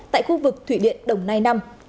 tại khu vực thủy điện đồng nai năm